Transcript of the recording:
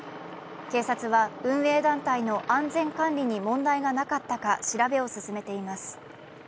警察は運営団体の安全管理に問題がなかったか調べを進めています。